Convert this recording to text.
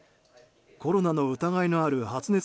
コロナの疑いのある発熱